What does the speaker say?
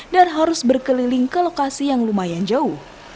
dan harus berkeliling ke lokasi yang lumayan jauh